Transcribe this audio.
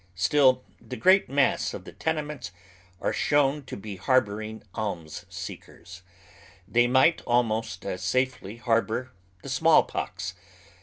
Still the great mass of the tenements are shown to be harboring almB seekers, They might almost as safely harbor tlie small pox.